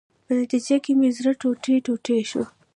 په نتیجه کې مې زړه ټوټې ټوټې شو.